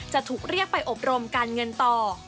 จะถูกเรียกไปอบรมการเงินต่อ